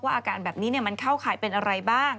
ว่าอาการแบบนี้เนี่ยมันเข้าขายเป็นอะไรบ้าง